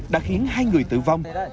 đã khiến hai người tử vong